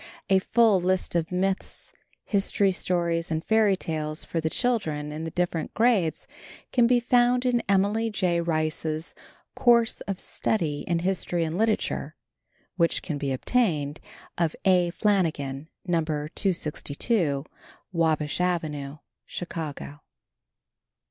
A full list of myths, history stories and fairy tales for the children in the different grades can be found in Emily J. Rice's Course of Study in History and Literature, which can be obtained of A. Flanagan, No. 262 Wabash avenue, Chicago.